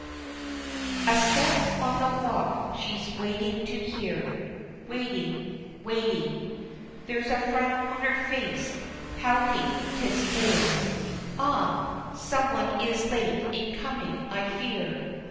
A step on the walk she's waiting to hear Waiting waiting There's a frown on her face pouting 'tis clear, Ah, someone is late in coming I fear.